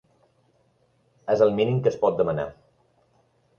És el mínim que es pot demanar.